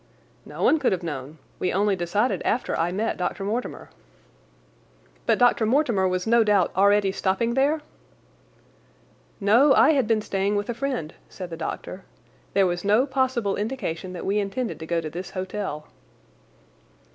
"No one could have known. We only decided after I met Dr. Mortimer." "But Dr. Mortimer was no doubt already stopping there?" "No, I had been staying with a friend," said the doctor. "There was no possible indication that we intended to go to this hotel."